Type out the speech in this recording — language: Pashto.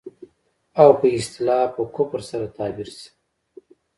او په اصطلاح په کفر سره تعبير شي.